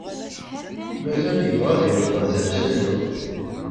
Mazal yebɣa ad yeqqel d amsallun?